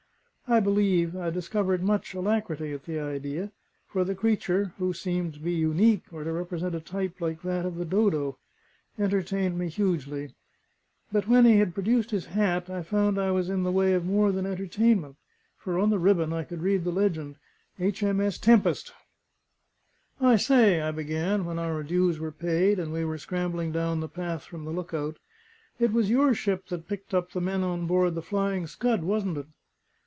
I believe I discovered much alacrity at the idea, for the creature (who seemed to be unique, or to represent a type like that of the dodo) entertained me hugely. But when he had produced his hat, I found I was in the way of more than entertainment; for on the ribbon I could read the legend: "H.M.S. Tempest." "I say," I began, when our adieus were paid, and we were scrambling down the path from the look out, "it was your ship that picked up the men on board the Flying Scud, wasn't it?"